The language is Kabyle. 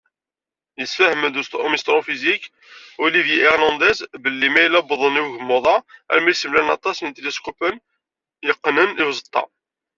Yessefham-d umsṭrufizik Olivier Hernandez, belli mayella wwḍen i ugmuḍ-a armi semlalen aṭas n yiṭiliskupen i yeqqnen i uẓeṭṭa.